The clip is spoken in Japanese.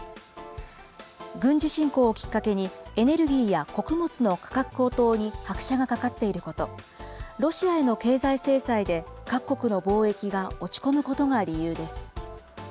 軍事侵攻をきっかけに、エネルギーや穀物の価格高騰に拍車がかかっていること、ロシアへの経済制裁で各国の貿易が落ち込むことが理由です。